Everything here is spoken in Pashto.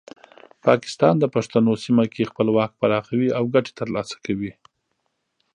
پاکستان د پښتنو سیمه کې خپل واک پراخوي او ګټې ترلاسه کوي.